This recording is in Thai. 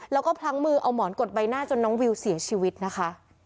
แล้วก็พลั้งมือเอาหมอนกดใบหน้าจนน้องวิวเสียชีวิตนะคะ